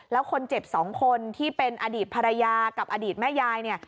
แล้วคนเจ็บ๒คนที่เป็นอดีตภรรยากับอดีตแม่ยายเนี่ย